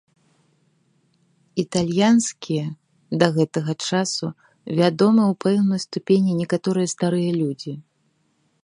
Італьянскія да гэтага часу вядомы ў пэўнай ступені некаторыя старыя людзі.